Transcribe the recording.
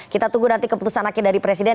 kita tunggu nanti keputusan akhir dari presiden